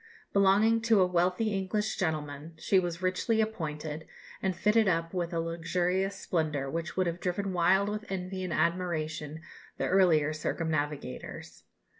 Belonging to a wealthy English gentleman, she was richly appointed, and fitted up with a luxurious splendour which would have driven wild with envy and admiration the earlier circumnavigators.